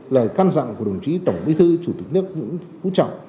lời căn dặn của đồng chí tổng bí thư chủ tịch nước vũ trọng